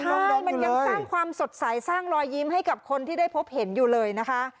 ดูมันยังสร้างความสดใสสร้างรอยยิ้มให้กับคนที่ได้พบเห็นอยู่เลยนะคะ